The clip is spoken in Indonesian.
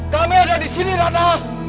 kami ada di sini ranah